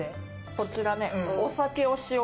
こちらね。